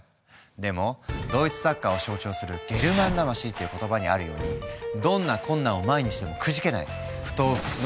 でもドイツサッカーを象徴する「ゲルマン魂」っていう言葉にあるようにどんな困難を前にしてもくじけない不撓不屈の精神が彼らの強さ。